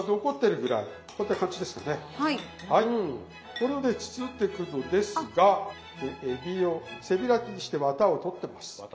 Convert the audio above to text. これをね包んでくのですがえびを背開きにしてわたを取ってます。